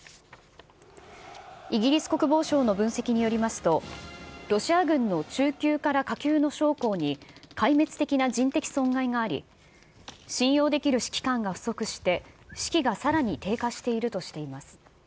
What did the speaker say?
イギリス国防省の分析によりますと、ロシア軍の中級から下級の将校に、壊滅的な人的損害があり、信用できる指揮官が不足して、士気がさらに低下しているとしています。